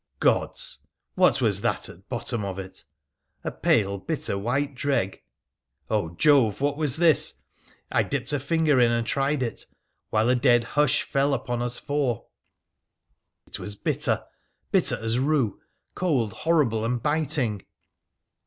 Gods ! what was that at bottom of it ? a pale, bitter white dreg. Oh ! Jove, what was this ? I dipped a finger in and tried it, while a dead hush fell upon us four. It was bitter, bitter as rue, cold, horrible, and biting.